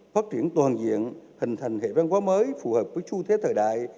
phát triển toàn diện hình thành hệ văn hóa mới phù hợp với chu thế thời đại